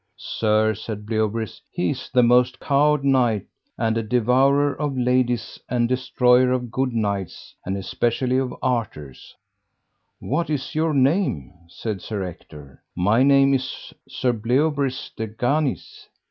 Sir, said Bleoberis, he is the most coward knight, and a devourer of ladies and a destroyer of good knights and especially of Arthur's. What is your name? said Sir Ector. My name is Sir Bleoberis de Ganis.